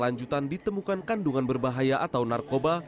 lanjutan ditemukan kandungan berbahaya atau narkoba